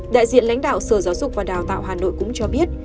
đại diện lãnh đạo sở giáo dục và đào tạo hà nội cũng cho biết